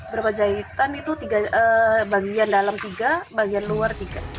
berapa jahitan itu bagian dalam tiga bagian luar tiga